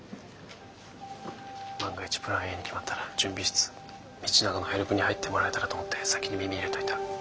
万が一プランＡに決まったら準備室道永のヘルプに入ってもらえたらと思って先に耳入れといた。